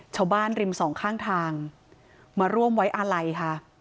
ชาวบ้านริมสองข้างทางมาร่วมไว้อาลัยค่ะ